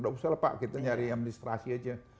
udah usah lah pak kita nyari administrasi aja